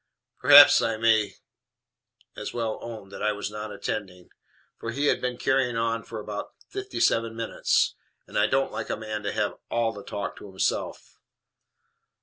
Perhaps I may as well own that I was NOT attending, for he had been carrying on for about fifty seven minutes; and I don't like a man to have ALL the talk to himself.